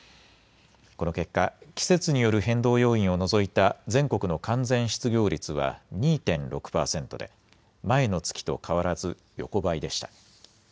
この結果、季節による変動要因を除いた全国の完全失業率は２．６％で前の月と変わらず横ばいでした。